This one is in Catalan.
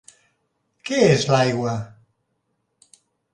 Què és l'aigua?